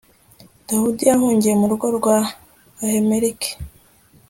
dawudi yahungiye mu rugo rwa ahimeleki